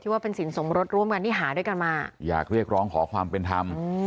ว่าเป็นสินสมรสร่วมกันที่หาด้วยกันมาอยากเรียกร้องขอความเป็นธรรม